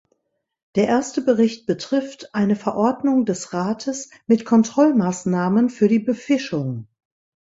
Der erste Bericht betrifft eine Verordnung des Rates mit Kontrollmaßnahmen für die Befischung.